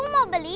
ibu mau beli